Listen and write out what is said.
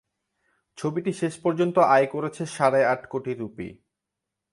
ছবিটি শেষ পর্যন্ত আয় করেছে সাড়ে আট কোটি রূপী।